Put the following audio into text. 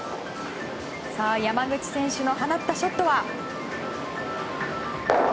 さあ、山口選手の放ったショットは。